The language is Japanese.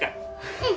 うん。